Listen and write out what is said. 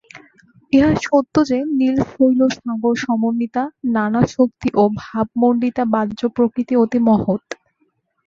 ইহা সত্য যে, নীল-শৈল-সাগর-সমন্বিতা নানা শক্তি ও ভাবমণ্ডিতা বাহ্যপ্রকৃতি অতি মহৎ।